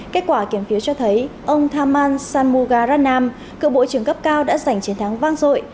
kết quả kiểm phiếu cho thấy ông thamman sanmugaranam cựu bộ trưởng cấp cao đã giành chiến thắng vang dội